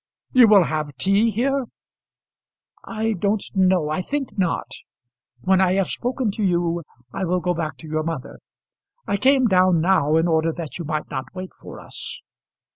"You will have tea here?" "I don't know. I think not. When I have spoken to you I will go back to your mother. I came down now in order that you might not wait for us."